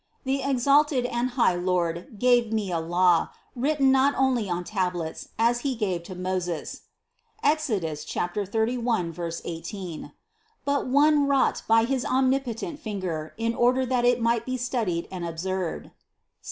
The exalted and high Lord gave me a law, written not only on tablets, as He gave to Moses (Exod. 31, 18), but one wrought by his omnipo tent finger in order that it might be studied and ob served (Ps.